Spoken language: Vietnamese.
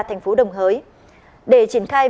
thành phố đồng hới để triển khai